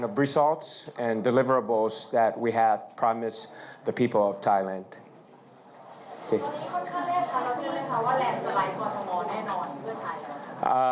ตอนนี้คนค่าแรกคำถามว่าแหล่นสลายปลอดภัณฑ์แน่นอน